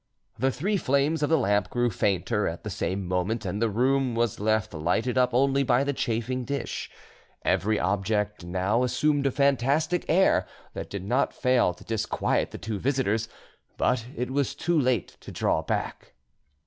The three flames of the lamp grew fainter at the same moment, and the room was left lighted up only by the chafing dish; every object now assumed a fantastic air that did not fail to disquiet the two visitors, but it was too late to draw back.